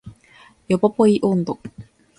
ヨポポイ音頭